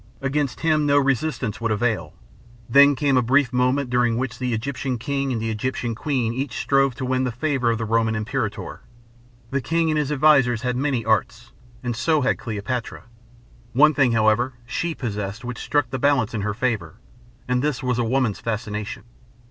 Against him no resistance would avail. Then came a brief moment during which the Egyptian king and the Egyptian queen each strove to win the favor of the Roman imperator. The king and his advisers had many arts, and so had Cleopatra. One thing, however, she possessed which struck the balance in her favor, and this was a woman's fascination.